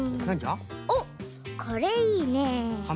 おっこれいいね。